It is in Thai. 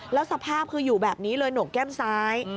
แล้วสภาพคืออยู่แบบนี้เลยหนกแก้มซ้าย